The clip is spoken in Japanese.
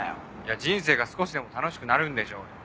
人生が少しでも楽しくなるんでしょうよ。